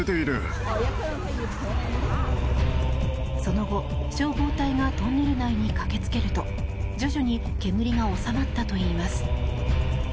その後、消防隊がトンネル内に駆けつけると徐々に煙が収まったといいます。